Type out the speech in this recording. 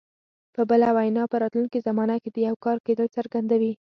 په بله وینا په راتلونکي زمانه کې د یو کار کېدل څرګندوي.